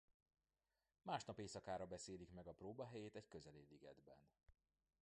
Másnap éjszakára beszélik meg a próba helyét egy közeli ligetben.